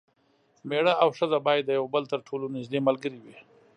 میړه او ښځه باید د یو بل تر ټولو نږدې ملګري وي.